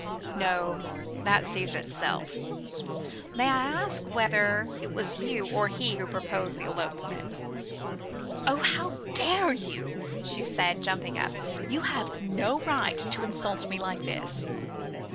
"No that sees itself! May I ask whether it was you or he who proposed this elopement?" "Oh, how dare you!" she said, jumping up; "you have no right to insult me like this."